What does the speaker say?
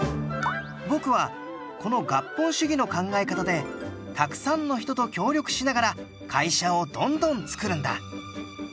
僕はこの合本主義の考え方でたくさんの人と協力しながら会社をどんどん作るんだ。